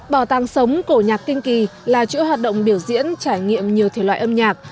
bảo tàng sống cổ nhạc kinh kỳ là chữ hoạt động biểu diễn trải nghiệm nhiều thể loại âm nhạc